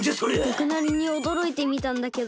ぼくなりにおどろいてみたんだけど。